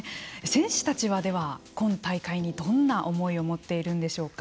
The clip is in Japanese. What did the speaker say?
選手たちは、今大会にどんな思いを持っているんでしょうか。